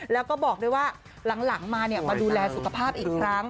แล้วก็บอกด้วยว่าหลังมามาดูแลสุขภาพอีกครั้ง